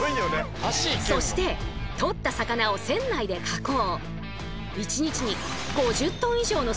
そして取った魚を船内で加工。